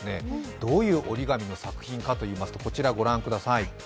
どういう折り紙の作品かというとこちらご覧ください。